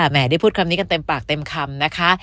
แม่ได้พูดคำนี้กันเต็มปากเต็มคำนะคะ